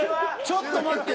ちょっと待って。